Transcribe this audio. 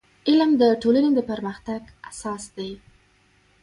• علم د ټولنې د پرمختګ اساس دی.